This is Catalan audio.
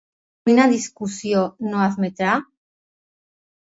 Quina discussió no admetrà?